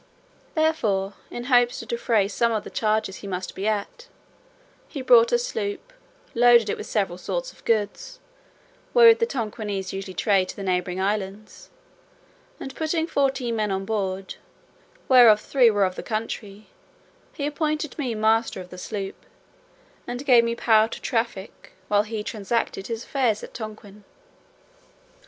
Therefore, in hopes to defray some of the charges he must be at, he bought a sloop, loaded it with several sorts of goods, wherewith the Tonquinese usually trade to the neighbouring islands, and putting fourteen men on board, whereof three were of the country, he appointed me master of the sloop, and gave me power to traffic, while he transacted his affairs at Tonquin.